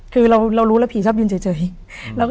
คือเรารู้แล้วผีชอบยืนเฉย